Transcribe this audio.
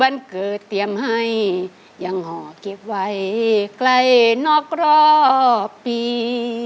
วันเกิดเตรียมให้ยังห่อเก็บไว้ใกล้นอกรอบปี